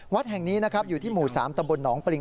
วัดแห่งนี้อยู่ที่หมู่๓ตนปริง